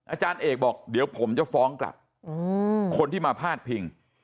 อาจารย์เอกบอกเดี๋ยวผมจะฟ้องกลับคนที่มาพาดพิง